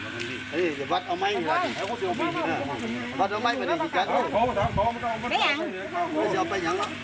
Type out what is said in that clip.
พี่จะเอาไปหยัง